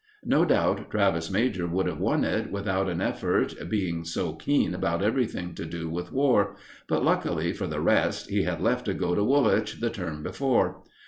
No doubt Travers major would have won it without an effort, being so keen about everything to do with war; but, luckily for the rest, he had left to go to Woolwich the term before.